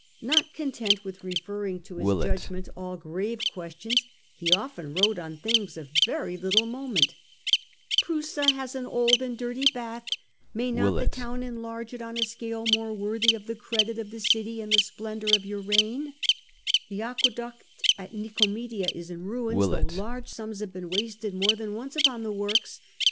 Not content with referring to his judgment all grave questions, he often wrote on things of very little moment, as was < Prusa has an old and dirty bath ; may not Jete'even the town enlarge it on a scale more worthy petty ques c ■% 1 t 1 11 tions to the of the credit of the city and the splendour of Emperor, your reign ' The aqueduct at Nicomedia is in ruins, though large sums have been wasted more than once upon the works.